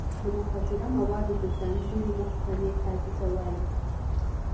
د مخدره موادو د ځانګړې محکمې قاضي ته وایي.